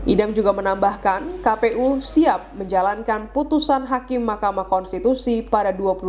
idam juga menambahkan kpu siap menjalankan putusan hakim mahkamah konstitusi pada dua puluh dua